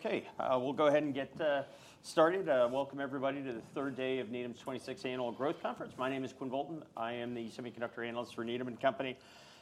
Okay, we'll go ahead and get started. Welcome everybody to the third day of Needham & Company's 26th Annual Growth Conference. My name is Quinn Bolton. I am the semiconductor analyst for Needham & Company.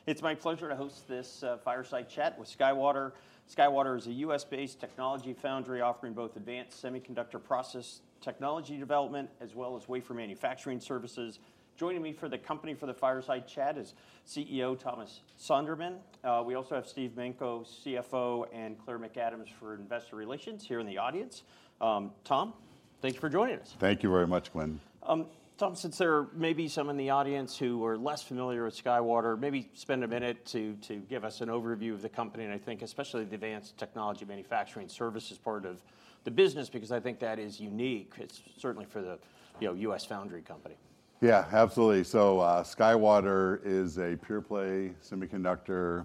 It's my pleasure to host this fireside chat with SkyWater. SkyWater is a U.S. based technology foundry offering both advanced semiconductor process technology development, as well as wafer manufacturing services. Joining me for the com pany for the fireside chat is CEO Thomas Sonderman. We also have Steve Manko, CFO, and Claire McAdams for investor relations here in the audience. Tom, thank you for joining us. Thank you very much, Quinn. Tom, since there may be some in the audience who are less familiar with SkyWater, maybe spend a minute to give us an overview of the company, and I think especially the advanced technology manufacturing services part of the business, because I think that is unique. It's certainly for the, you know, U.S. foundry company. Yeah, absolutely. So, SkyWater is a pure-play semiconductor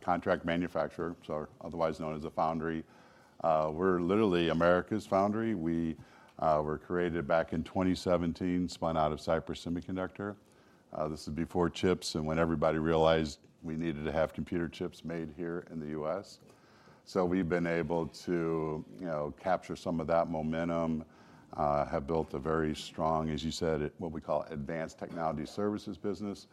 contract manufacturer, so otherwise known as a foundry. We're literally America's foundry. We were created back in 2017, spun out of Cypress Semiconductor. This is before CHIPS and when everybody realized we needed to have computer CHIPS made here in the U.S. So we've been able to, you know, capture some of that momentum, have built a very strong, as you said, it what we call advanced technology services business.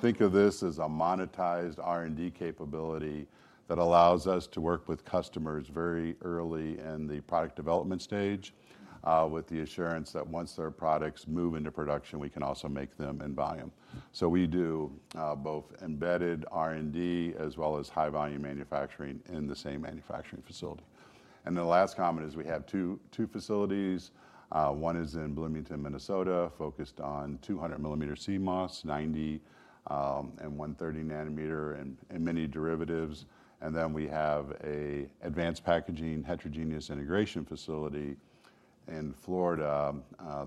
Think of this as a monetized R&D capability that allows us to work with customers very early in the product development stage, with the assurance that once their products move into production, we can also make them in volume. So we do both embedded R&D as well as high-volume manufacturing in the same manufacturing facility. And the last comment is, we have two facilities. One is in Bloomington, Minnesota, focused on 200 mm CMOS, 90, and 130 nm and many derivatives. And then we have an advanced packaging, heterogeneous integration facility in Florida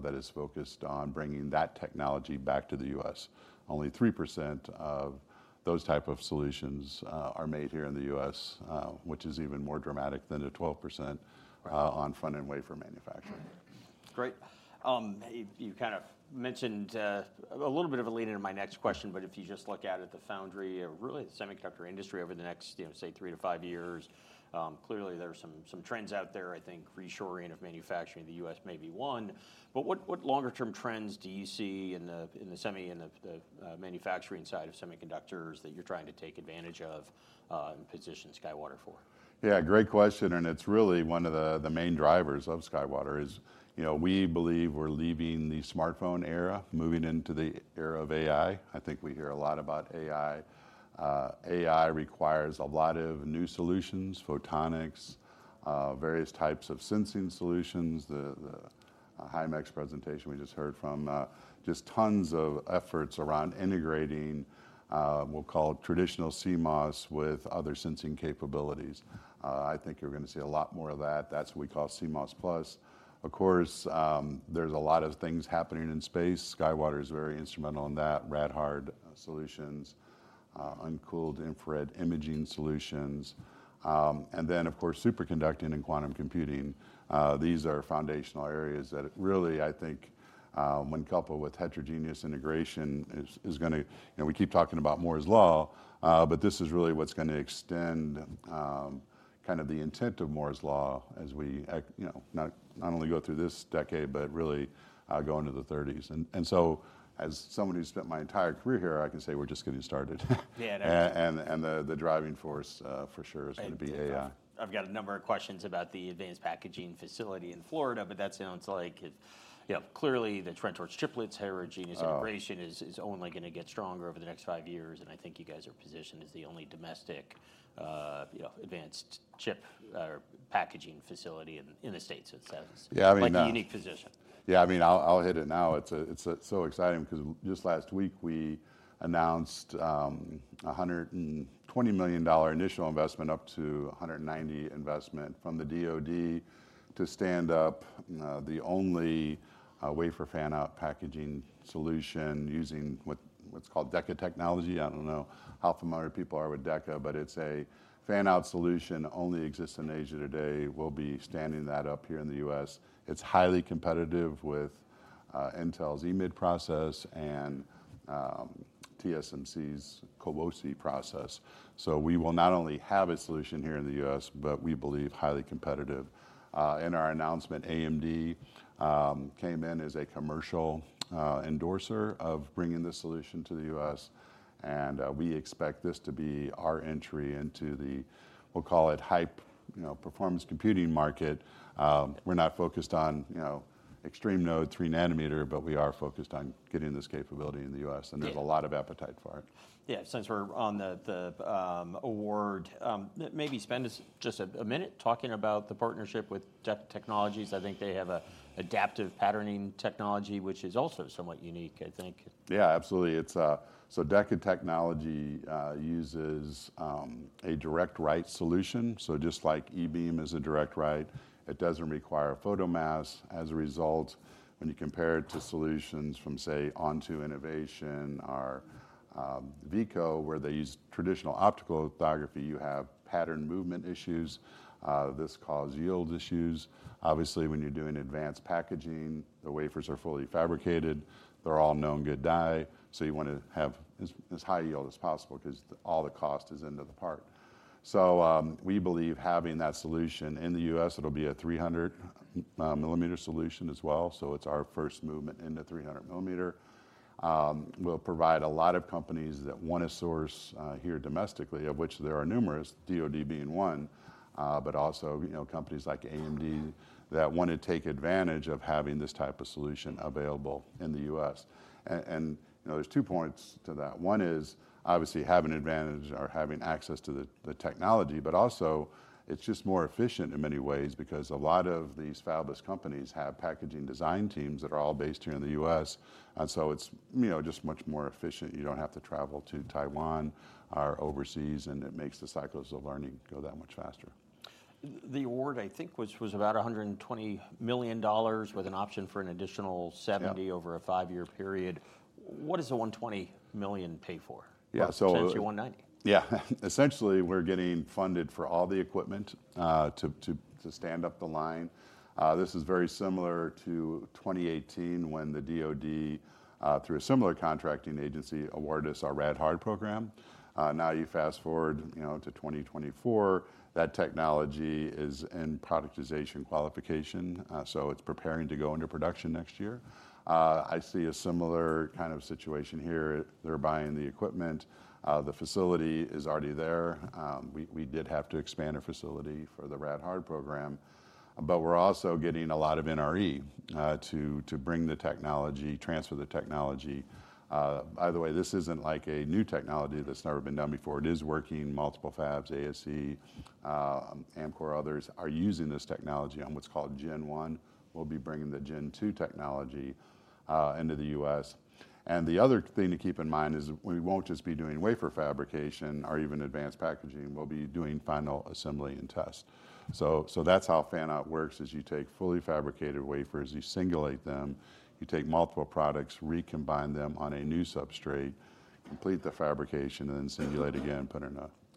that is focused on bringing that technology back to the U.S. Only 3% of those type of solutions are made here in the U.S., which is even more dramatic than the 12%- Right... on front-end wafer manufacturing. Great. You kind of mentioned a little bit of a lead into my next question, but if you just look out at the foundry or really the semiconductor industry over the next, you know, say, three to five years, clearly, there are some trends out there. I think reshoring of manufacturing in the U.S. may be one. But what longer-term trends do you see in the manufacturing side of semiconductors that you're trying to take advantage of, and position SkyWater for? Yeah, great question, and it's really one of the main drivers of SkyWater is, you know, we believe we're leaving the smartphone era, moving into the era of AI. I think we hear a lot about AI. AI requires a lot of new solutions, photonics, various types of sensing solutions, the Himax presentation we just heard from, just tons of efforts around integrating, we'll call it traditional CMOS with other sensing capabilities. I think you're gonna see a lot more of that. That's what we call CMOS+. Of course, there's a lot of things happening in space. SkyWater is very instrumental in that, Rad-Hard solutions, uncooled infrared imaging solutions, and then, of course, superconducting and quantum computing. These are foundational areas that really, I think, when coupled with heterogeneous integration, is gonna... You know, we keep talking about Moore's Law, but this is really what's gonna extend kind of the intent of Moore's Law as we act, you know, not only go through this decade, but really go into the thirties. And so, as someone who spent my entire career here, I can say we're just getting started. Yeah, and- The driving force, for sure, is gonna be AI. I've got a number of questions about the advanced packaging facility in Florida, but that sounds like it. Yeah, clearly, the trend towards chiplets, heterogeneous- Oh... integration is only gonna get stronger over the next five years, and I think you guys are positioned as the only domestic, you know, advanced chip, or packaging facility in the States. So it sounds- Yeah, I mean, like a unique position. Yeah, I mean, I'll hit it now. It's so exciting because just last week, we announced a $120 million initial investment, up to $190 million investment from the DoD to stand up the only wafer fan-out packaging solution using what's called Deca technology. I don't know how familiar people are with Deca, but it's a fan-out solution, only exists in Asia today. We'll be standing that up here in the U.S. It's highly competitive with Intel's EMIB process and TSMC's CoWoS process. So we will not only have a solution here in the U.S., but we believe highly competitive. In our announcement, AMD came in as a commercial endorser of bringing this solution to the U.S., and we expect this to be our entry into the, we'll call it high, you know, performance computing market. We're not focused on, you know, extreme node, 3 nm, but we are focused on getting this capability in the U.S. Yeah. There's a lot of appetite for it. Yeah. Since we're on the award, maybe spend just a minute talking about the partnership with Deca Technologies. I think they have a Adaptive Patterning technology, which is also somewhat unique, I think. Yeah, absolutely. It's. So Deca Technologies uses a direct write solution. So just like e-beam is a direct write, it doesn't require a photomask. As a result, when you compare it to solutions from, say, Onto Innovation or Veeco, where they use traditional optical lithography, you have pattern movement issues. This cause yield issues. Obviously, when you're doing advanced packaging, the wafers are fully fabricated. They're all known good die, so you wanna have as high yield as possible because all the cost is into the part. So we believe having that solution in the U.S., it'll be a 300 mm solution as well, so it's our first movement into 300 mm. We'll provide a lot of companies that wanna source here domestically, of which there are numerous, DoD being one, but also, you know, companies like AMD that wanna take advantage of having this type of solution available in the U.S. And, you know, there's two points to that. One is, obviously, having advantage or having access to the technology, but also, it's just more efficient in many ways because a lot of these fabless companies have packaging design teams that are all based here in the U.S., and so it's, you know, just much more efficient. You don't have to travel to Taiwan or overseas, and it makes the cycles of learning go that much faster. The award, I think, was about $120 million, with an option for an additional 70- Yeah... over a five-year period. What does the $120 million pay for? Yeah, so- Potentially $190. Yeah. Essentially, we're getting funded for all the equipment to stand up the line. This is very similar to 2018 when the DoD through a similar contracting agency awarded us our RadHard program. Now you fast-forward, you know, to 2024, that technology is in productization qualification, so it's preparing to go into production next year. I see a similar kind of situation here. They're buying the equipment. The facility is already there. We did have to expand our facility for the RadHard program, but we're also getting a lot of NRE to bring the technology, transfer the technology. By the way, this isn't, like, a new technology that's never been done before. It is working. Multiple fabs, ASE, Amkor, others, are using this technology on what's called gen one. We'll be bringing the gen 2 technology into the U.S. And the other thing to keep in mind is we won't just be doing wafer fabrication or even advanced packaging, we'll be doing final assembly and test. So that's how fan-out works, is you take fully fabricated wafers, you singulate them, you take multiple products, recombine them on a new substrate, complete the fabrication, and then singulate again, put it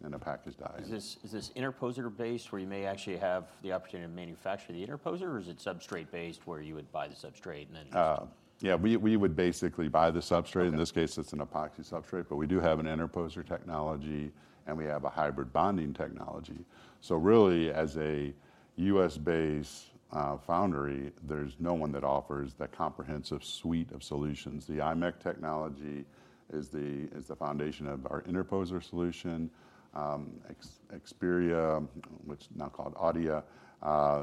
in a package die. Is this interposer-based, where you may actually have the opportunity to manufacture the interposer, or is it substrate-based, where you would buy the substrate, and then- Yeah, we would basically buy the substrate. Okay. In this case, it's an epoxy substrate, but we do have an interposer technology, and we have a hybrid bonding technology. So really, as a U.S.-based foundry, there's no one that offers that comprehensive suite of solutions. The IMEC technology is the foundation of our interposer solution. Xperi, which is now called Adeia,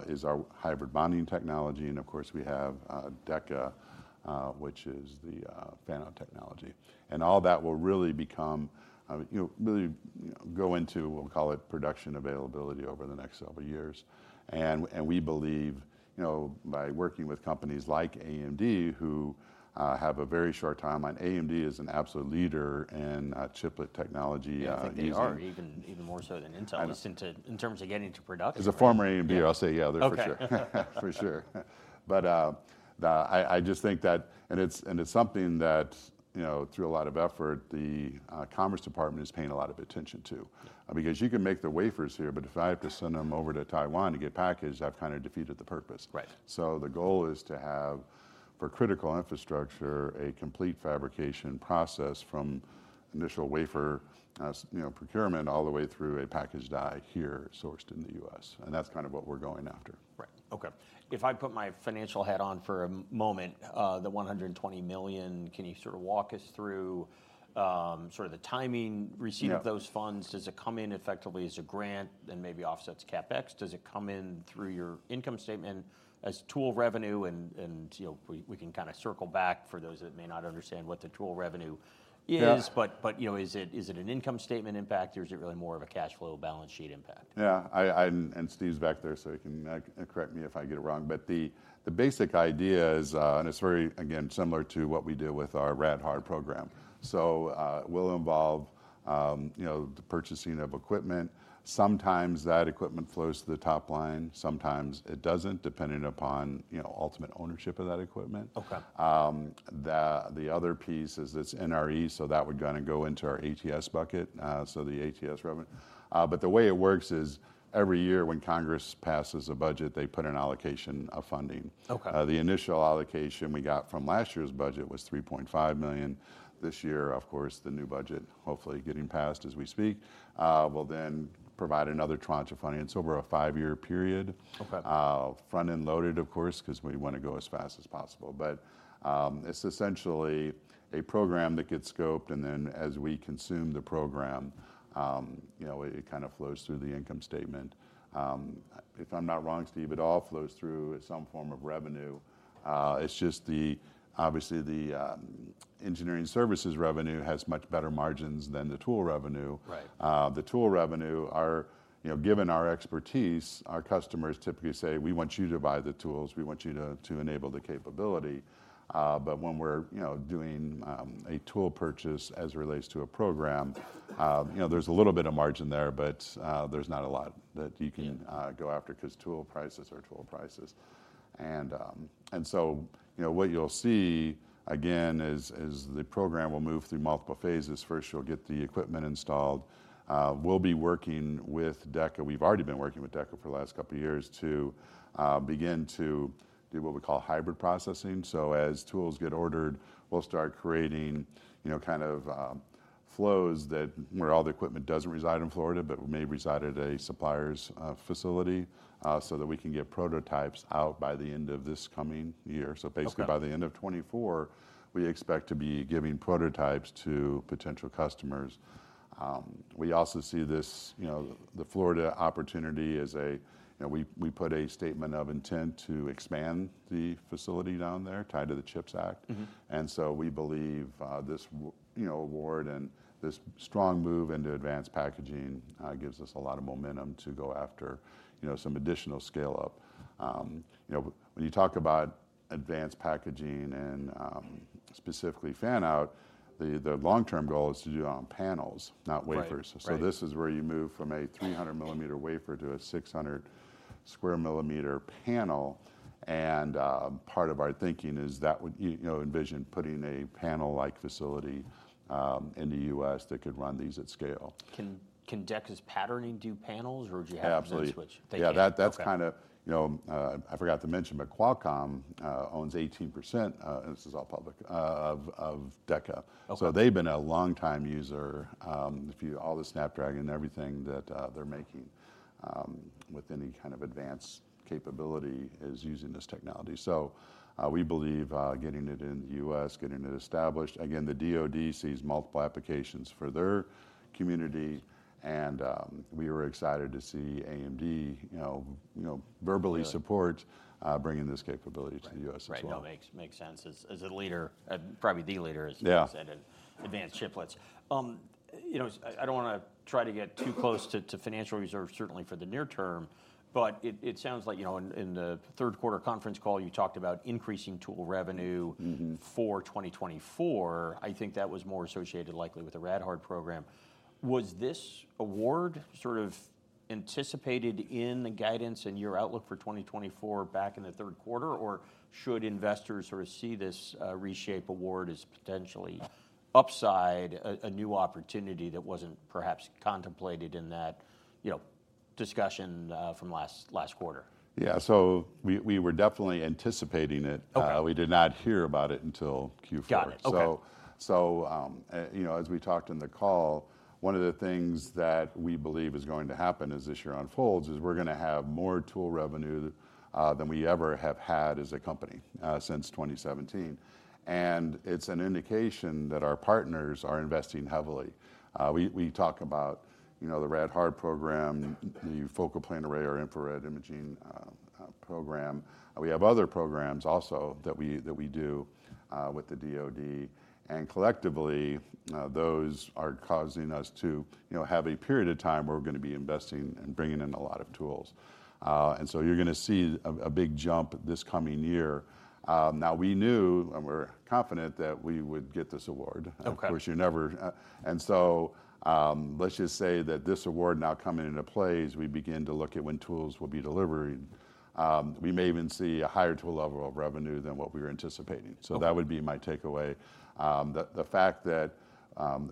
is our hybrid bonding technology, and of course, we have Deca, which is the fan-out technology. And all that will really become, you know, really go into, we'll call it, production availability over the next several years. And we believe, you know, by working with companies like AMD, who have a very short timeline, AMD is an absolute leader in chiplet technology. I think they are even more so than Intel- I-... just in terms of getting to production. As a former AMD- Yeah... I'll say, yeah, they're for sure. Okay. For sure. But, I just think that... And it's something that, you know, through a lot of effort, the Commerce Department is paying a lot of attention to. Because you can make the wafers here, but if I have to send them over to Taiwan to get packaged, I've kind of defeated the purpose. Right. The goal is to have, for critical infrastructure, a complete fabrication process from initial wafer, you know, procurement, all the way through a packaged die here, sourced in the U.S., and that's kind of what we're going after. Right. Okay. If I put my financial hat on for a moment, the $120 million, can you sort of walk us through, sort of the timing, receive- Yeah... those funds? Does it come in effectively as a grant, then maybe offsets CapEx? Does it come in through your income statement as tool revenue? And, and, you know, we, we can kind of circle back for those that may not understand what the tool revenue is. Yeah. But you know, is it an income statement impact, or is it really more of a cash flow balance sheet impact? Yeah, I... And Steve's back there, so he can correct me if I get it wrong. But the basic idea is, and it's very, again, similar to what we did with our RadHard program. So, it will involve, you know, the purchasing of equipment. Sometimes that equipment flows to the top line, sometimes it doesn't, depending upon, you know, ultimate ownership of that equipment. Okay. The other piece is this NRE, so that would kind of go into our ATS bucket, so the ATS revenue. But the way it works is, every year, when Congress passes a budget, they put an allocation of funding. Okay. The initial allocation we got from last year's budget was $3.5 million. This year, of course, the new budget, hopefully getting passed as we speak, will then provide another tranche of funding. It's over a five-year period. Okay. Front-end loaded, of course, 'cause we wanna go as fast as possible. But, it's essentially a program that gets scoped, and then as we consume the program, you know, it, it kind of flows through the income statement. If I'm not wrong, Steve, it all flows through as some form of revenue. It's just, obviously, the engineering services revenue has much better margins than the tool revenue. Right. The tool revenue are... You know, given our expertise, our customers typically say, "We want you to buy the tools. We want you to enable the capability." But when we're, you know, doing a tool purchase as it relates to a program, you know, there's a little bit of margin there, but there's not a lot that you can- Yeah... go after, 'cause tool prices are tool prices. And so, you know, what you'll see, again, is the program will move through multiple phases. First, you'll get the equipment installed. We'll be working with Deca. We've already been working with Deca for the last couple of years to begin to do what we call hybrid processing. So as tools get ordered, we'll start creating, you know, kind of flows that where all the equipment doesn't reside in Florida, but may reside at a supplier's facility, so that we can get prototypes out by the end of this coming year. Okay. So basically, by the end of 2024, we expect to be giving prototypes to potential customers. We also see this, you know, the Florida opportunity as a, you know, we put a statement of intent to expand the facility down there tied to the CHIPS Act. Mm-hmm. And so we believe this you know award and this strong move into advanced packaging gives us a lot of momentum to go after you know some additional scale up. You know, when you talk about advanced packaging and specifically fan-out, the long-term goal is to do it on panels, not wafers. Right. Right. So this is where you move from a 300 mm wafer to a 600 mm² panel, and part of our thinking is that would, you know, envision putting a panel-like facility in the U.S. that could run these at scale. Can DECA's patterning do panels, or do you have to then switch? Absolutely. Thank you. Yeah, that- Okay... that's kind of, you know, I forgot to mention, but Qualcomm owns 18%, and this is all public, of Deca. Okay. So they've been a longtime user. All the Snapdragon and everything that they're making with any kind of advanced capability is using this technology. So we believe getting it in the U.S., getting it established... Again, the DoD sees multiple applications for their community, and we were excited to see AMD, you know, you know, verbally- Yeah... support, bringing this capability to the U.S. as well. Right. No, makes sense. As a leader, probably the leader, as- Yeah... you said, in advanced chiplets. You know, I don't wanna try to get too close to financial reserves, certainly for the near term, but it sounds like, you know, in the third quarter conference call, you talked about increasing tool revenue- Mm-hmm... for 2024. I think that was more associated likely with the Rad-Hard program. Was this award sort of anticipated in the guidance and your outlook for 2024 back in the third quarter, or should investors sort of see this RESHAPE Award as potentially upside, a new opportunity that wasn't perhaps contemplated in that, you know, discussion from last quarter? Yeah. So we were definitely anticipating it. Okay. We did not hear about it until Q4. Got it. Okay. You know, as we talked in the call, one of the things that we believe is going to happen as this year unfolds is we're gonna have more tool revenue than we ever have had as a company since 2017. And it's an indication that our partners are investing heavily. We talk about, you know, the Rad-Hard program, the focal plane array, our infrared imaging program. We have other programs also that we do with the DoD, and collectively those are causing us to, you know, have a period of time where we're gonna be investing and bringing in a lot of tools. And so you're gonna see a big jump this coming year. Now, we knew and we're confident that we would get this award. Okay. Of course, you never... And so, let's just say that this award now coming into play as we begin to look at when tools will be delivered, we may even see a higher tool level of revenue than what we were anticipating. Okay. So that would be my takeaway. The fact that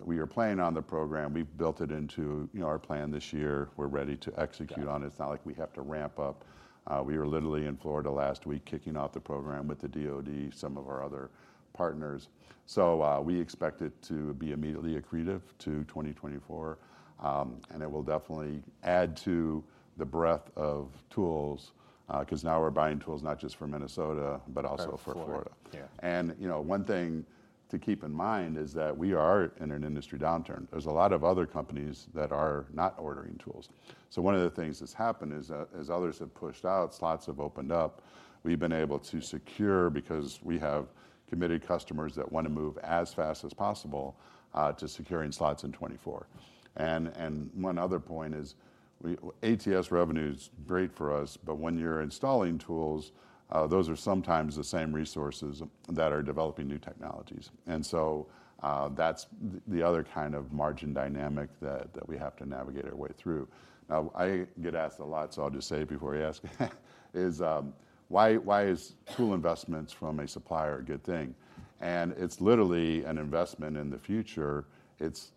we are planning on the program, we've built it into, you know, our plan this year. We're ready to execute on it. Got it. It's not like we have to ramp up. We were literally in Florida last week, kicking off the program with the DoD, some of our other partners. So, we expect it to be immediately accretive to 2024, and it will definitely add to the breadth of tools, 'cause now we're buying tools not just for Minnesota, but also for Florida. For Florida. Yeah. And you know, one thing to keep in mind is that we are in an industry downturn. There's a lot of other companies that are not ordering tools. So one of the things that's happened is, as others have pushed out, slots have opened up. We've been able to secure, because we have committed customers that wanna move as fast as possible, to securing slots in 2024. And one other point is, ATS revenue is great for us, but when you're installing tools, those are sometimes the same resources that are developing new technologies. And so, that's the other kind of margin dynamic that we have to navigate our way through. Now, I get asked a lot, so I'll just say it before you ask is, "Why, why is tool investments from a supplier a good thing?" It's literally an investment in the future. It's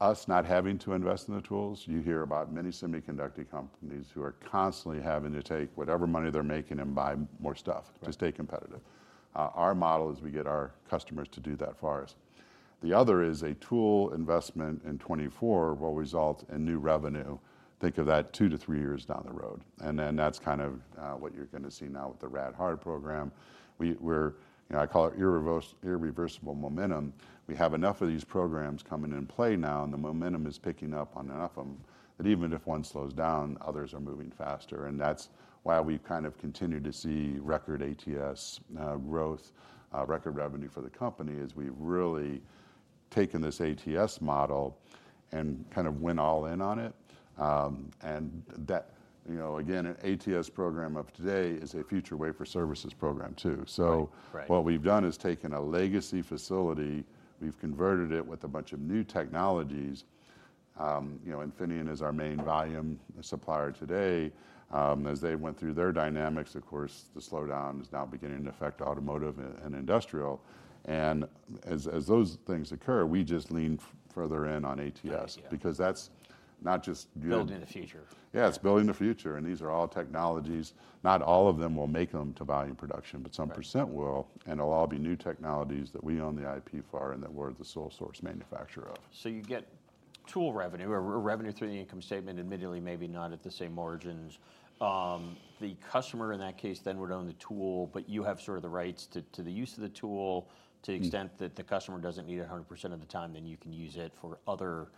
us not having to invest in the tools. You hear about many semiconductor companies who are constantly having to take whatever money they're making and buy more stuff- Right... to stay competitive. Our model is we get our customers to do that for us. The other is a tool investment in 2024 will result in new revenue. Think of that two to three years down the road, and then that's kind of what you're gonna see now with the Rad-Hard program. We're... You know, I call it irreversible momentum. We have enough of these programs coming in play now, and the momentum is picking up on enough of them, that even if one slows down, others are moving faster. And that's why we've kind of continued to see record ATS growth, record revenue for the company, is we've really taken this ATS model and kind of went all in on it. And that... You know, again, an ATS program of today is a future wafer services program, too. Right. Right. So what we've done is taken a legacy facility, we've converted it with a bunch of new technologies. You know, Infineon is our main volume supplier today. As they went through their dynamics, of course, the slowdown is now beginning to affect automotive and industrial. And as those things occur, we just lean further in on ATS- Yeah... because that's not just building- Building the future. Yeah, it's building the future, and these are all technologies. Not all of them will make them to volume production- Right... but some percent will, and they'll all be new technologies that we own the IP for and that we're the sole source manufacturer of. So you get tool revenue or, or revenue through the income statement, admittedly, maybe not at the same margins. The customer in that case then would own the tool, but you have sort of the rights to, to the use of the tool. Mm... to the extent that the customer doesn't need it 100% of the time, then you can use it for other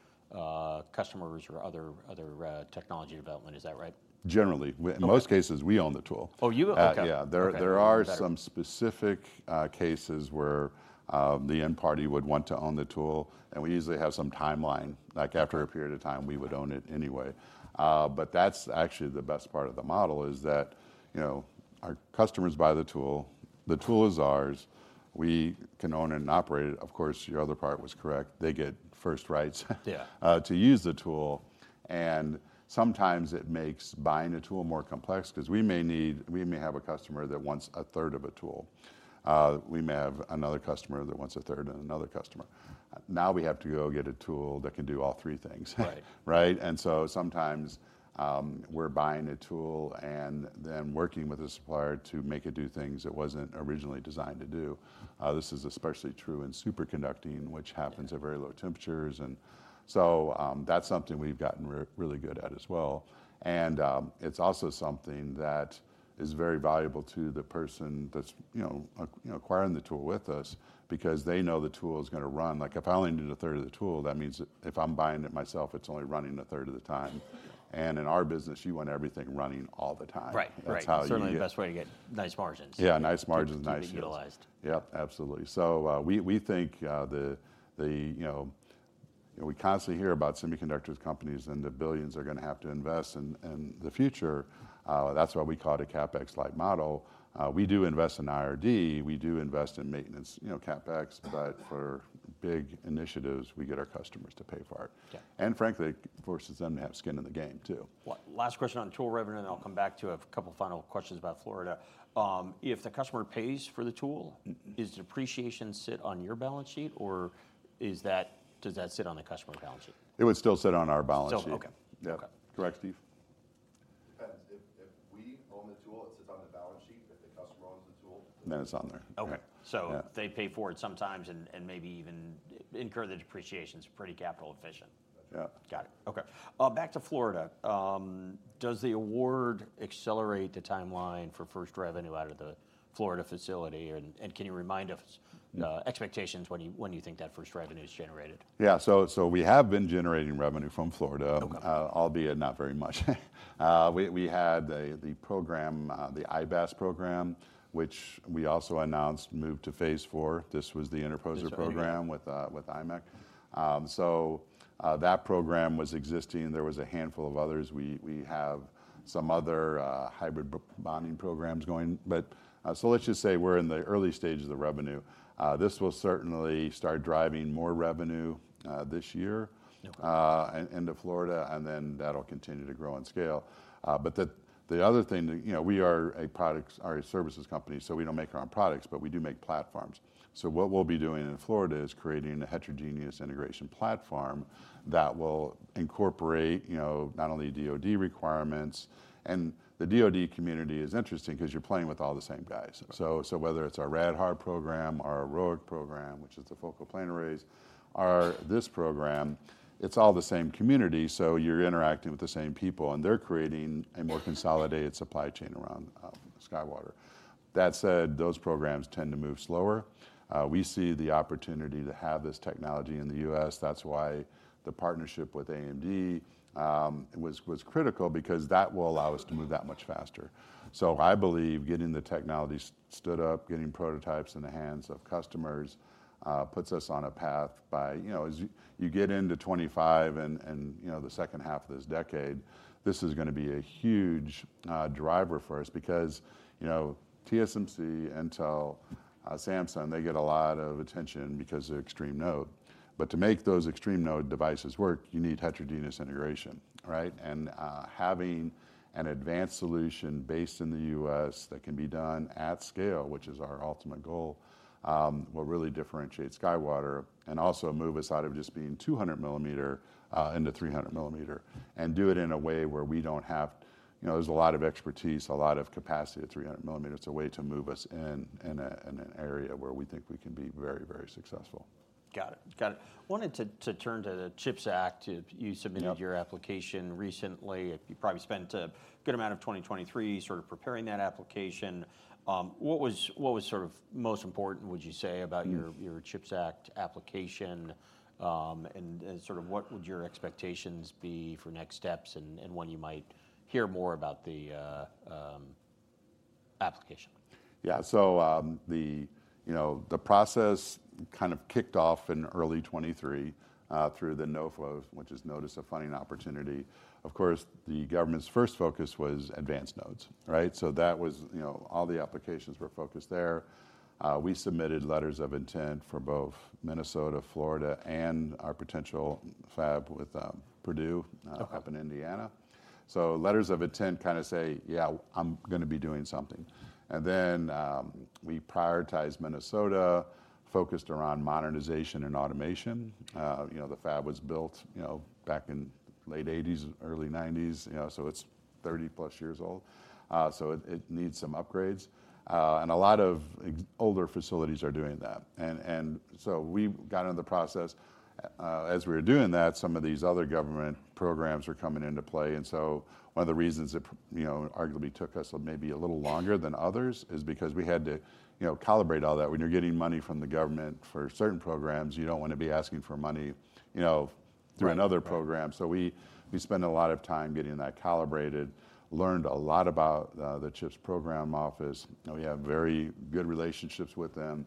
customers or other technology development. Is that right? Generally. Okay. In most cases, we own the tool. Oh, you? Okay. Uh, yeah. Okay. Got it. There are some specific cases where the end party would want to own the tool, and we usually have some timeline, like after a period of time, we would own it anyway. But that's actually the best part of the model, is that, you know, our customers buy the tool. The tool is ours. We can own it and operate it. Of course, your other part was correct, they get first rights. Yeah... to use the tool, and sometimes it makes buying a tool more complex, 'cause we may have a customer that wants a third of a tool. We may have another customer that wants a third, and another customer. Now, we have to go get a tool that can do all three things. Right. Right? And so sometimes, we're buying a tool and then working with the supplier to make it do things it wasn't originally designed to do. This is especially true in superconducting, which happens at very low temperatures. And so, that's something we've gotten really good at as well. And it's also something that is very valuable to the person that's, you know, you know, acquiring the tool with us because they know the tool is gonna run. Like, if I only need a third of the tool, that means that if I'm buying it myself, it's only running a third of the time. And in our business, you want everything running all the time. Right. Right. That's how you get- Certainly, the best way to get nice margins- Yeah, nice margins, nice.... to be utilized. Yep, absolutely. So, we think, you know... We constantly hear about semiconductor companies and the billions they're gonna have to invest in the future. That's why we call it a CapEx-light model. We do invest in R&D, we do invest in maintenance, you know, CapEx, but for big initiatives, we get our customers to pay for it. Yeah. Frankly, it forces them to have skin in the game, too. One last question on tool revenue, and then I'll come back to a couple final questions about Florida. If the customer pays for the tool- Mm ...does depreciation sit on your balance sheet or is that, does that sit on the customer's balance sheet? It would still sit on our balance sheet. Still. Okay. Yeah. Okay. Correct, Steve? Depends. If we own the tool, it sits on the balance sheet. If the customer owns the tool... Then it's on there. Okay. Yeah. So they pay for it sometimes and maybe even incur the depreciation. It's pretty capital efficient. Yeah. Got it. Okay. Back to Florida. Does the award accelerate the timeline for first revenue out of the Florida facility? And, and can you remind us? Yeah... expectations when you think that first revenue is generated? Yeah. So, we have been generating revenue from Florida- Okay... albeit not very much. We had the program, the IBAS program, which we also announced moved to phase four. This was the Interposer program- Interposer, yeah... with, with IMEC. So, that program was existing, and there was a handful of others. We have some other hybrid bonding programs going, but... So let's just say we're in the early stages of revenue. This will certainly start driving more revenue, this year- Yeah... into Florida, and then that'll continue to grow and scale. But the, the other thing that, you know, we are a products or a services company, so we don't make our own products, but we do make platforms. So what we'll be doing in Florida is creating a heterogeneous integration platform that will incorporate, you know, not only DoD requirements... And the DoD community is interesting 'cause you're playing with all the same guys. Okay. So, whether it's our Rad-Hard program, our ROIC program, which is the focal plane arrays, or this program, it's all the same community, so you're interacting with the same people, and they're creating a more consolidated supply chain around SkyWater. That said, those programs tend to move slower. We see the opportunity to have this technology in the U.S. That's why the partnership with AMD was critical because that will allow us to move that much faster. So I believe getting the technology stood up, getting prototypes in the hands of customers, puts us on a path by... You know, as you get into 2025 and, you know, the second half of this decade, this is gonna be a huge driver for us because, you know, TSMC, Intel, Samsung, they get a lot of attention because of extreme node. But to make those extreme node devices work, you need heterogeneous integration, right? And having an advanced solution based in the U.S. that can be done at scale, which is our ultimate goal, will really differentiate SkyWater and also move us out of just being 200 mm into 300 mm, and do it in a way where we don't have... You know, there's a lot of expertise, a lot of capacity at 300 mm. It's a way to move us in an area where we think we can be very, very successful. Got it. Got it. I wanted to turn to the CHIPS Act. You submitted- Yeah... your application recently. You probably spent a good amount of 2023 sort of preparing that application. What was sort of most important, would you say, about your- Mm... your CHIPS Act application? And sort of, what would your expectations be for next steps, and when you might hear more about the application? Yeah. So, you know, the process kind of kicked off in early 2023 through the NOFO, which is Notice of Funding Opportunity. Of course, the government's first focus was advanced nodes, right? So that was, you know, all the applications were focused there. We submitted letters of intent for both Minnesota, Florida, and our potential fab with Purdue- Okay... up in Indiana. So letters of intent kind of say, "Yeah, I'm gonna be doing something." And then, we prioritized Minnesota, focused around modernization and automation. You know, the fab was built, you know, back in late 1980s, early 1990s, you know, so it's 30+ years old. So it needs some upgrades, and a lot of existing older facilities are doing that. And so we got into the process. As we were doing that, some of these other government programs were coming into play, and so one of the reasons it, you know, arguably took us maybe a little longer than others, is because we had to, you know, calibrate all that. When you're getting money from the government for certain programs, you don't wanna be asking for money, you know... through another program. So we, we spend a lot of time getting that calibrated, learned a lot about, the CHIPS program office. Now we have very good relationships with them,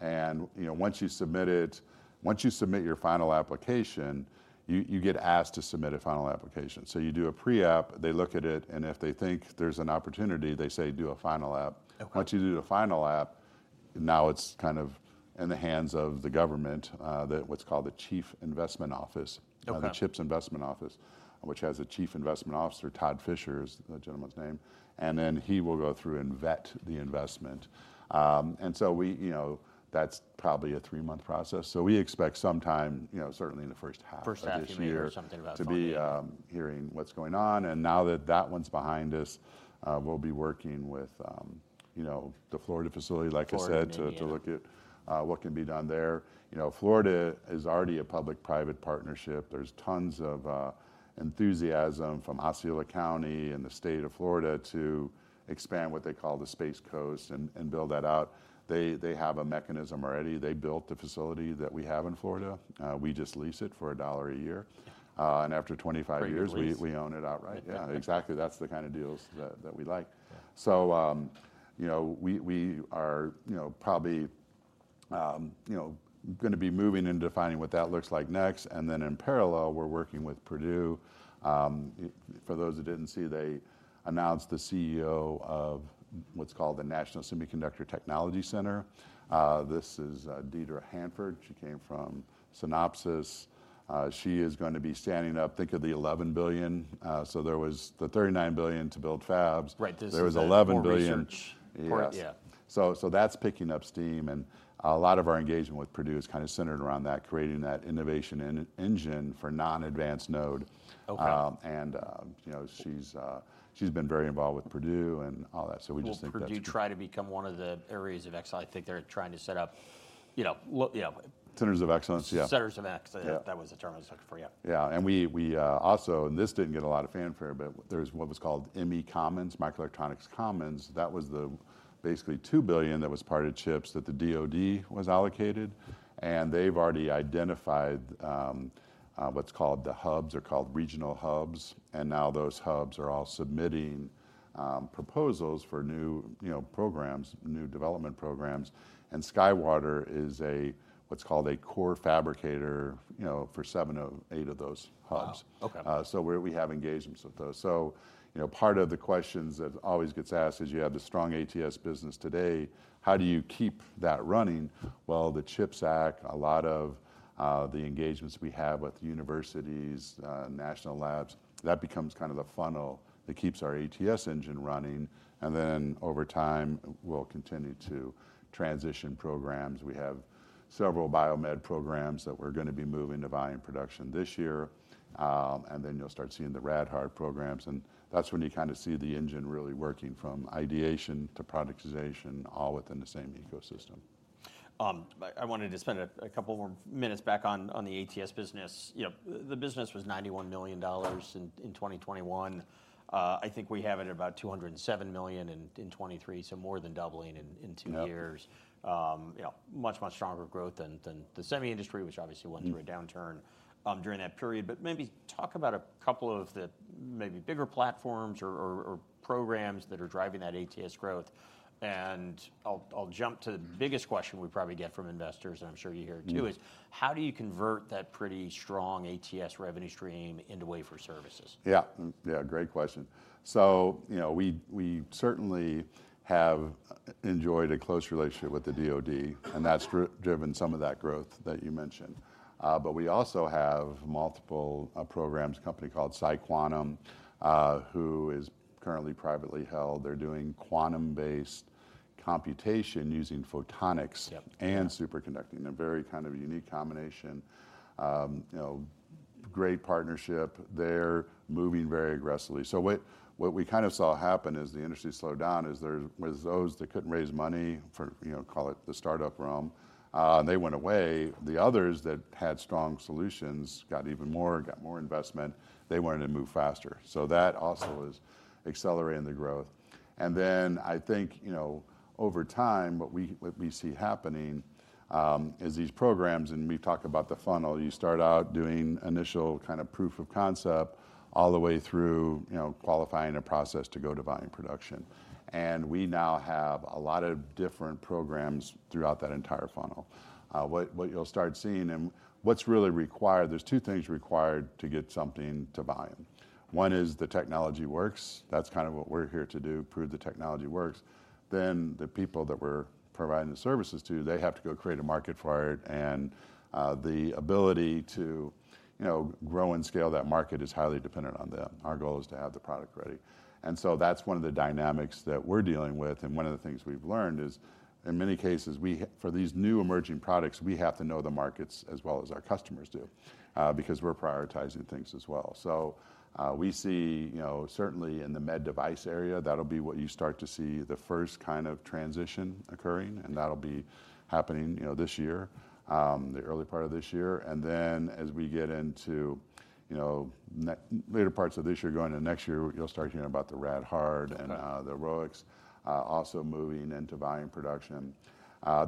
and, you know, once you submit it, once you submit your final application, you, you get asked to submit a final application. So you do a pre-app, they look at it, and if they think there's an opportunity, they say, "Do a final app. Okay. Once you do the final app, now it's kind of in the hands of the government, the what's called the Chief Investment Office- Okay... the CHIPS Investment Office, which has a Chief Investment Officer, Todd Fisher is the gentleman's name, and then he will go through and vet the investment. And so we... You know, that's probably a three-month process. So we expect some time, you know, certainly in the first half of this year- First half you may hear something about talking.... to be hearing what's going on. And now that that one's behind us, we'll be working with, you know, the Florida facility, like I said. Florida, yeah... to look at what can be done there. You know, Florida is already a public-private partnership. There's tons of enthusiasm from Osceola County and the state of Florida to expand what they call the Space Coast and build that out. They have a mechanism already. They built the facility that we have in Florida. We just lease it for $1 a year, and after 25 years- Great lease!... we own it outright. Yeah, exactly. That's the kind of deals that we like. Yeah. So, you know, we, we are, you know, probably, you know, gonna be moving and defining what that looks like next, and then in parallel, we're working with Purdue. For those who didn't see, they announced the CEO of what's called the National Semiconductor Technology Center. This is Deirdre Hanford. She came from Synopsys. She is going to be standing up, think of the $11 billion. So there was the $39 billion to build fabs. Right, this is the more research- There was $11 billion... Yes. Yeah. That's picking up steam, and a lot of our engagement with Purdue is kind of centered around that, creating that innovation engine for non-advanced node. Okay. you know, she's been very involved with Purdue and all that, so we just think that's- Will Purdue try to become one of the areas of excellence? I think they're trying to set up, you know, you know- Centers of excellence? Yeah. Centers of excellence. Yeah. That was the term I was looking for, yeah. Yeah. And we also, and this didn't get a lot of fanfare, but there's what was called Microelectronics Commons. That was basically the $2 billion that was part of the CHIPS that the DoD was allocated, and they've already identified what's called the hubs. They're called regional hubs, and now those hubs are all submitting proposals for new, you know, programs, new development programs, and SkyWater is a what's called a core fabricator, you know, for seven of eight of those hubs. Wow! Okay. So, we have engagements with those. So, you know, part of the questions that always gets asked is, you have the strong ATS business today, how do you keep that running? Well, the CHIPS Act, a lot of, the engagements we have with universities, national labs, that becomes kind of the funnel that keeps our ATS engine running, and then over time, we'll continue to transition programs. We have several biomed programs that we're gonna be moving to volume production this year. And then you'll start seeing the Rad-Hard programs, and that's when you kind of see the engine really working from ideation to productization, all within the same ecosystem. I wanted to spend a couple more minutes back on the ATS business. You know, the business was $91 million in 2021. I think we have it at about $207 million in 2023, so more than doubling in two years. Yeah. You know, much, much stronger growth than the semi industry, which obviously went- Mm... through a downturn during that period. But maybe talk about a couple of the maybe bigger platforms or programs that are driving that ATS growth. And I'll jump to the biggest question we probably get from investors, and I'm sure you hear it, too- Yeah... is: How do you convert that pretty strong ATS revenue stream into wafer services? Yeah. Yeah, great question. So, you know, we certainly have enjoyed a close relationship with the DoD, and that's driven some of that growth that you mentioned. But we also have multiple programs, a company called PsiQuantum, who is currently privately held. They're doing quantum-based computation using photonics- Yep, yeah... and superconducting. A very kind of unique combination. You know, great partnership there, moving very aggressively. So what, what we kind of saw happen as the industry slowed down is there was those that couldn't raise money for, you know, call it the start-up realm, and they went away. The others that had strong solutions got even more, got more investment. They wanted to move faster, so that also is accelerating the growth. And then, I think, you know, over time, what we, what we see happening, is these programs, and we've talked about the funnel, you start out doing initial kind of proof of concept all the way through, you know, qualifying a process to go to volume production, and we now have a lot of different programs throughout that entire funnel. What you'll start seeing, and what's really required, there's two things required to get something to volume. One is the technology works. That's kind of what we're here to do, prove the technology works. Then the people that we're providing the services to, they have to go create a market for it, and the ability to, you know, grow and scale that market is highly dependent on them. Our goal is to have the product ready. And so that's one of the dynamics that we're dealing with, and one of the things we've learned is, in many cases, for these new emerging products, we have to know the markets as well as our customers do, because we're prioritizing things as well. So, we see, you know, certainly in the med device area, that'll be what you start to see the first kind of transition occurring, and that'll be happening, you know, this year, the early part of this year. And then as we get into you know, later parts of this year, going into next year, you'll start hearing about the rad hard and the ROICs also moving into volume production.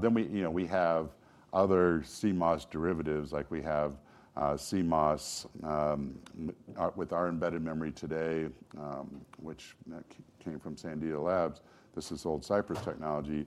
Then we, you know, we have other CMOS derivatives, like we have CMOS with our embedded memory today, which came from Sandia Labs. This is old Cypress technology.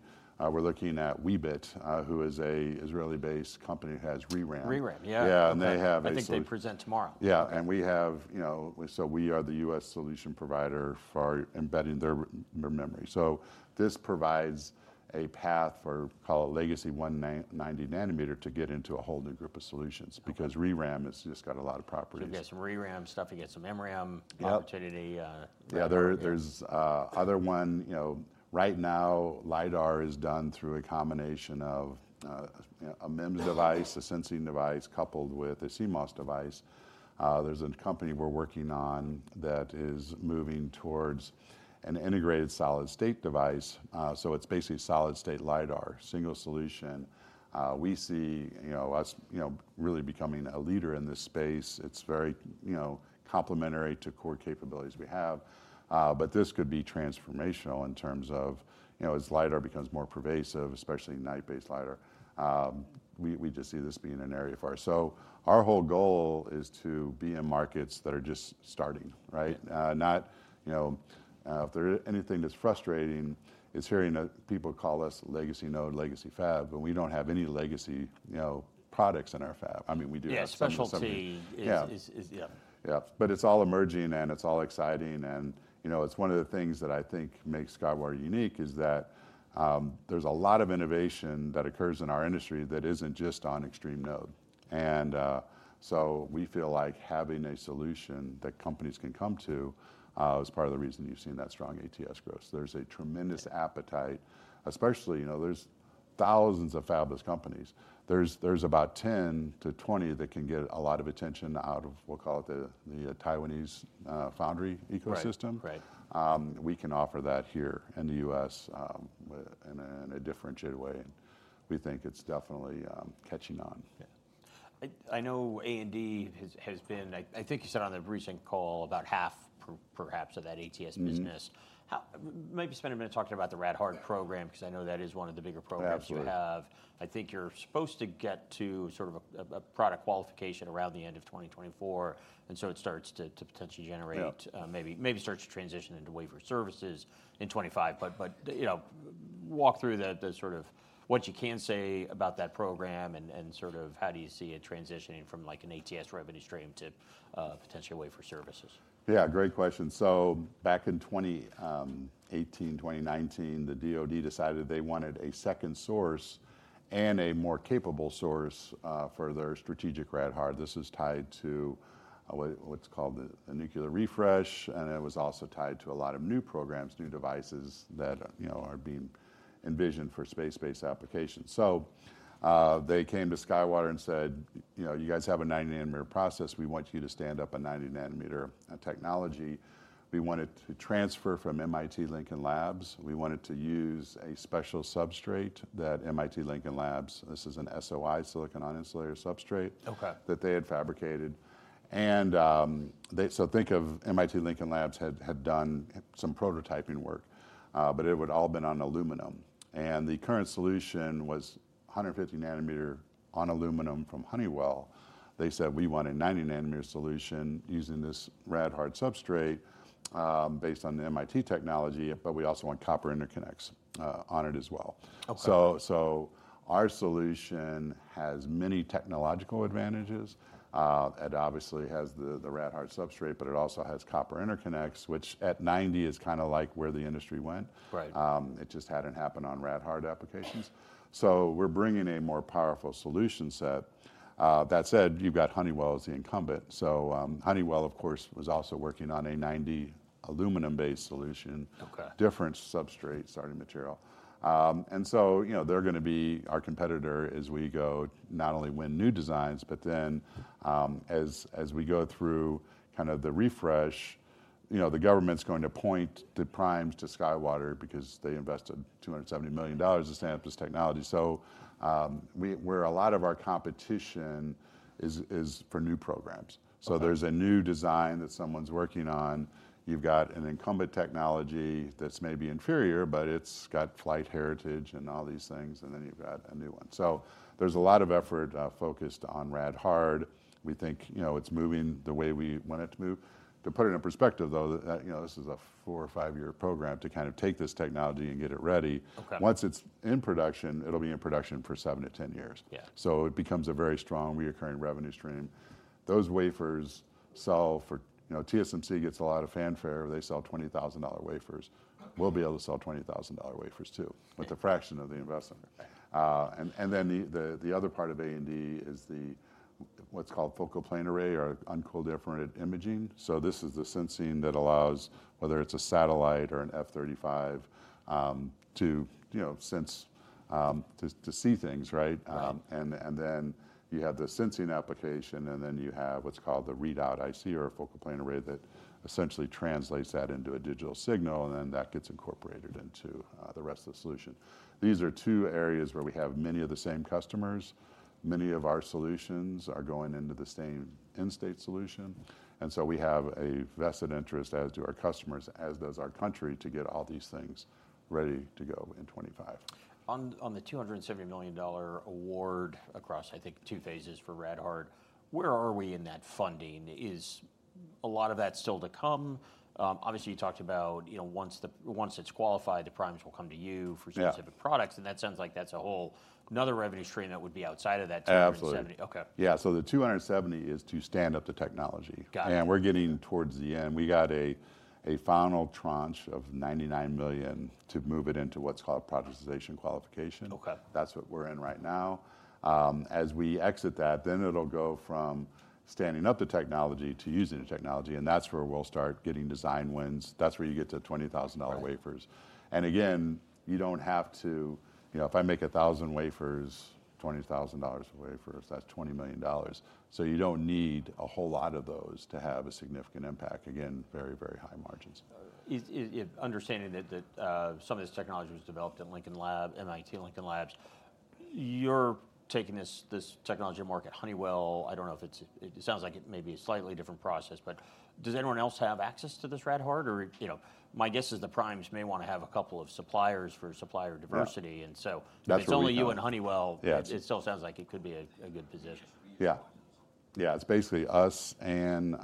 We're looking at Weebit, who is an Israeli-based company, who has ReRAM. ReRAM, yeah. Yeah, and they have a- I think they present tomorrow. Yeah, and we have, you know. So we are the U.S. solution provider for embedding their their memory. So this provides a path for, call it, legacy 19 nm-90 nm to get into a whole new group of solutions- Okay... because ReRAM has just got a lot of properties. So you get some ReRAM stuff, you get some MRAM- Yep... opportunity, yeah. Yeah, there, there's another one, you know, right now, LiDAR is done through a combination of, you know, a MEMS device, a sensing device, coupled with a CMOS device. There's a company we're working on that is moving towards an integrated solid-state device. So it's basically solid-state LiDAR, single solution. We see, you know, us, you know, really becoming a leader in this space. It's very, you know, complementary to core capabilities we have. But this could be transformational in terms of, you know, as LiDAR becomes more pervasive, especially night-based LiDAR, we, we just see this being an area for us. So our whole goal is to be in markets that are just starting, right? Yeah. You know, if there is anything that's frustrating, it's hearing that people call us legacy node, legacy fab, but we don't have any legacy, you know, products in our fab. I mean, we do have some- Yeah, specialty-... some, yeah... is, yeah. Yeah. But it's all emerging, and it's all exciting, and, you know, it's one of the things that I think makes SkyWater unique, is that there's a lot of innovation that occurs in our industry that isn't just on extreme node. And so we feel like having a solution that companies can come to is part of the reason you've seen that strong ATS growth. There's a tremendous appetite, especially, you know, there's thousands of fabless companies. There's about 10-20 that can get a lot of attention out of, we'll call it the Taiwanese foundry ecosystem. Right, right. We can offer that here in the U.S. in a differentiated way, and we think it's definitely catching on. Yeah. I know A&D has been, I think you said on the recent call, about half perhaps, of that ATS business. Mm-hmm. Maybe spend a minute talking about the Rad-Hard program, because I know that is one of the bigger programs. Absolutely... you have. I think you're supposed to get to sort of a product qualification around the end of 2024, and so it starts to potentially generate- Yeah... maybe starts to transition into wafer services in 2025. But you know, walk through that, the sort of what you can say about that program and sort of how do you see it transitioning from, like, an ATS revenue stream to potentially a wafer services? Yeah, great question. So back in 2018, 2019, the DoD decided they wanted a second source and a more capable source for their strategic Rad-Hard. This is tied to what's called the nuclear refresh, and it was also tied to a lot of new programs, new devices that, you know, are being envisioned for space-based applications. So they came to SkyWater and said, "You know, you guys have a 90 nm process. We want you to stand up a 90 nm technology. We want it to transfer from MIT Lincoln Labs. We want it to use a special substrate that MIT Lincoln Labs..." This is an SOI, silicon on insulator substrate- Okay... that they had fabricated. So think of MIT Lincoln Labs had done some prototyping work, but it would've all been on aluminum. The current solution was 150 nm on aluminum from Honeywell. They said, "We want a 90 nm solution using this rad hard substrate, based on the MIT technology, but we also want copper interconnects on it as well. Okay. So our solution has many technological advantages. It obviously has the Rad-Hard substrate, but it also has copper interconnects, which at 90 is kind of like where the industry went. Right. It just hadn't happened on Rad-Hard applications. So we're bringing a more powerful solution set. That said, you've got Honeywell as the incumbent. So, Honeywell, of course, was also working on a 90 aluminum-based solution. Okay. Different substrate starting material. So, you know, they're gonna be our competitor as we go, not only win new designs, but then, as we go through kind of the refresh, you know, the government's going to point the primes to SkyWater because they invested $270 million to stand up this technology. So, where a lot of our competition is, is for new programs. Okay. So there's a new design that someone's working on. You've got an incumbent technology that's maybe inferior, but it's got flight heritage and all these things, and then you've got a new one. So there's a lot of effort focused on Rad-Hard. We think, you know, it's moving the way we want it to move. To put it in perspective, though, that, you know, this is a four or five year program to kind of take this technology and get it ready. Okay. Once it's in production, it'll be in production for seven to 10 years. Yeah. So it becomes a very strong recurring revenue stream. Those wafers sell for... You know, TSMC gets a lot of fanfare. They sell $20,000 wafers. Okay. We'll be able to sell $20,000 wafers, too, with a fraction of the investment. Right. And then the other part of A&D is what's called focal plane array or uncooled infrared imaging. So this is the sensing that allows, whether it's a satellite or an F-35, to you know, sense to see things, right? Right. And then you have the sensing application, and then you have what's called the readout IC or a focal plane array that essentially translates that into a digital signal, and then that gets incorporated into the rest of the solution. These are two areas where we have many of the same customers. Many of our solutions are going into the same end state solution, and so we have a vested interest, as do our customers, as does our country, to get all these things ready to go in 2025. On the $270 million award across, I think, two phases for Rad-Hard, where are we in that funding? Is a lot of that still to come? Obviously, you talked about, you know, once it's qualified, the primes will come to you for- Yeah... specific products, and that sounds like that's a whole another revenue stream that would be outside of that $270. Absolutely. Okay. Yeah, so the $270 is to stand up the technology. Got it. We're getting towards the end. We got a final tranche of $99 million to move it into what's called productization qualification. Okay. That's what we're in right now. As we exit that, then it'll go from standing up the technology to using the technology, and that's where we'll start getting design wins. That's where you get to $20,000 wafers. Got it. And again, you don't have to... You know, if I make $1,000 wafers, $20,000 a wafer, that's $20 million. So you don't need a whole lot of those to have a significant impact. Again, very, very high margins. I understand that some of this technology was developed at Lincoln Laboratory, MIT Lincoln Laboratory. You're taking this technology to market. Honeywell, I don't know if it's it sounds like it may be a slightly different process, but does anyone else have access to this Rad-Hard? Or, you know, my guess is the primes may wanna have a couple of suppliers for supplier diversity- Yeah... and so- That's where we come in.... if it's only you and Honeywell- Yeah... it still sounds like it could be a good position. Yeah. Yeah, it's basically us and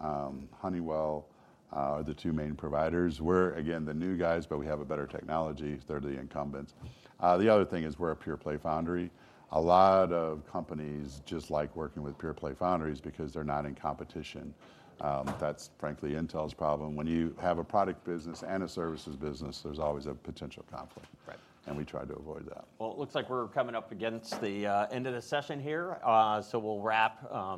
Honeywell are the two main providers. We're, again, the new guys, but we have a better technology. They're the incumbents. The other thing is we're a pure-play foundry. A lot of companies just like working with pure-play foundries because they're not in competition. That's frankly Intel's problem. When you have a product business and a services business, there's always a potential conflict. Right. We try to avoid that. Well, it looks like we're coming up against the end of the session here, so we'll wrap.